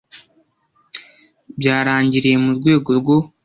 byarangiriye mu rwego rwo